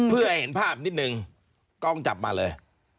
เพื่อให้เห็นภาพนิดนึงกล้องจับมาเลย